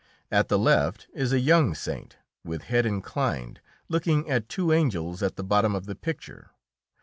At the left is a young saint, with head inclined, looking at two angels at the bottom of the picture.